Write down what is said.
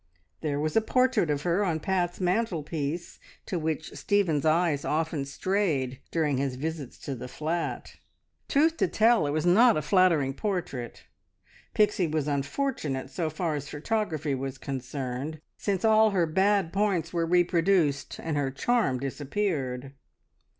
There was a portrait of her on Pat's mantelpiece to which Stephen's eyes often strayed during his visits to the flat. Truth to tell it was not a flattering portrait. Pixie was unfortunate so far as photography was concerned, since all her bad points were reproduced and her charm disappeared.